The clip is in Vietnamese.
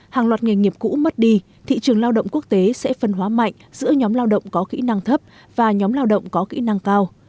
hàng loạt nghề nghiệp cũ mất đi thị trường lao động quốc tế sẽ phân hóa mạnh giữa nhóm lao động có kỹ năng thấp và nhóm lao động có kỹ năng cao